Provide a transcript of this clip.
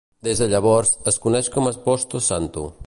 Des de llavors, es coneix com a Posto Santo.